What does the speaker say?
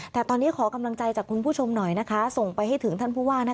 แต่ตอนนี้ขอกำลังใจจากคุณผู้ชมหน่อยนะคะส่งไปให้ถึงท่านผู้ว่า